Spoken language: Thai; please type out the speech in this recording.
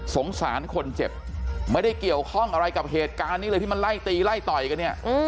สงสารคนเจ็บไม่ได้เกี่ยวข้องอะไรกับเหตุการณ์นี้เลยที่มันไล่ตีไล่ต่อยกันเนี่ย